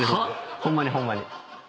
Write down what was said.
ホンマにホンマに。